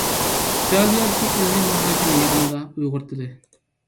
ئىتالىيەدىكى ئىلمىي مۇھاكىمە يىغىنىدا ئۇيغۇر تىلى.